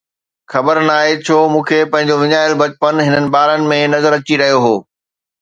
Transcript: خبر ناهي ڇو مون کي پنهنجو وڃايل بچپن هنن ٻارن ۾ نظر اچي رهيو هو